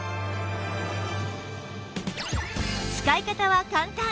使い方は簡単！